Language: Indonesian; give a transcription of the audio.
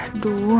bakal ada masalah